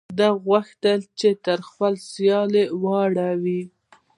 ده غوښتل چې تر خپل سیال یې واړوي.